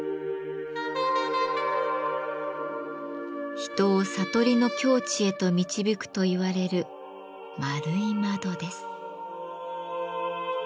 人を悟りの境地へと導くといわれる円い窓です。